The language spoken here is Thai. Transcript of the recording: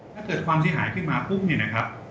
ถ้าเกิดความเสียหายขึ้นมาปุ๊บเนี่ยนะครับ